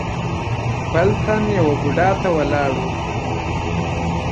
بل تن يوه بوډا ته ولاړ و.